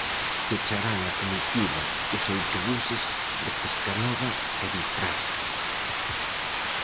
Pecharán a comitiva os autobuses de Pescanova e Vitrasa.